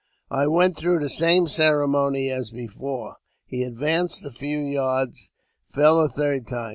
I went through the same ceremony as before. He advanced a few yards, and fell a third time.